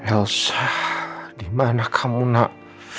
elsa dimana kamu nak